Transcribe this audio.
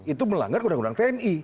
itu melanggar undang undang tni